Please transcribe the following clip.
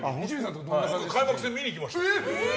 開幕戦、見に行きました。